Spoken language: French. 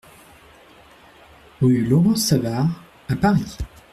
Rue Laurence Savart à Paris